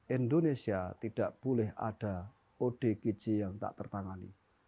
indonesia tidak boleh ada odgj yang tak tertangani